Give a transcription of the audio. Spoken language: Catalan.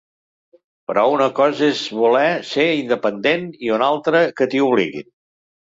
Però una cosa és voler ser independent i una altra que t'hi obliguin.